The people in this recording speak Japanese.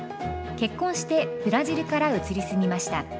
結婚してブラジルから移り住みました。